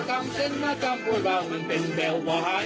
ทำเซ้นและกรัมป่วยเบามันเป็นแบบว่าฮาย